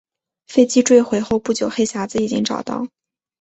飞机坠毁后不久黑匣子已经找到。